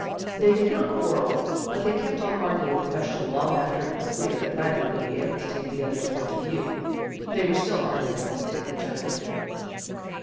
They did not quarrel, but they kept on arguing the question long after it was clear that neither would be able to take the other's point of view. They were still arguing when Dick returned.